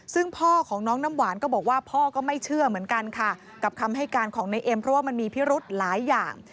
ซึ่งพ่อของน้องน้ำหวานก็บอกว่าพ่อก็ไม่เชื่อเหมือนกันค่ะกับคำให้การของในเอ็มเพราะว่ามันมีพิรุธหลายอย่าง